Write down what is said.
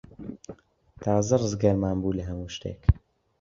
تازە ڕزگارمان بوو لە هەموو شتێک.